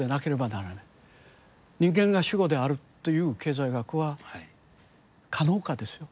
人間が主語であるという経済学は可能かですよ。